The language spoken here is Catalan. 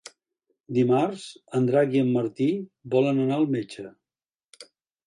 Dimarts en Drac i en Martí volen anar al metge.